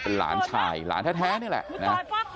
เป็นหลานชายหลานแท้นี่แหละ